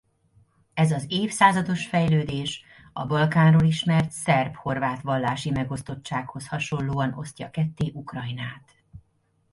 Ez az évszázados fejlődés a Balkánról ismert szerb–horvát vallási megosztottsághoz hasonlóan osztja ketté Ukrajnát.